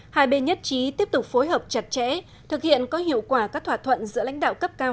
hai bên nhất trí tiếp tục phối hợp chặt chẽ thực hiện có hiệu quả các thỏa thuận giữa lãnh đạo cấp cao